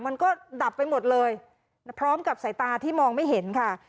มันก็ดับไปหมดเลยพร้อมกับสายตาที่มองไม่เห็นค่ะ